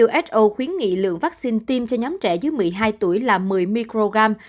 uso khuyến nghị lượng vaccine tiêm cho nhóm trẻ dưới một mươi hai tuổi là một mươi microgram